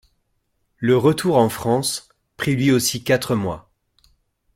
Le retour en France prit lui aussi quatre mois.